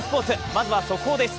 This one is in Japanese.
まずは速報です。